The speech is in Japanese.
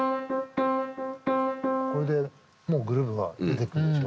これでもうグルーブが出てくるでしょ。